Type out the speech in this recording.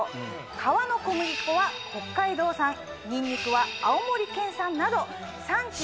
皮の小麦粉は北海道産にんにくは青森県産など。